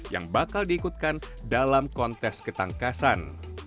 yang bakal diikutkan dalam kontes ketangkasan